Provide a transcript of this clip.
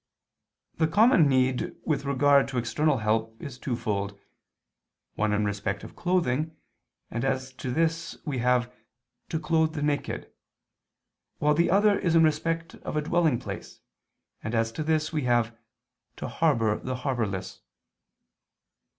_ The common need with regard to external help is twofold; one in respect of clothing, and as to this we have to clothe the naked: while the other is in respect of a dwelling place, and as to this we have _to harbor the harborless.